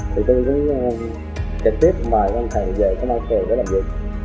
thì tôi cũng trực tiếp mời ông thầy về công an phường để làm việc